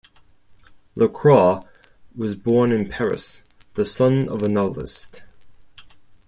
Lacroix was born in Paris, the son of a novelist.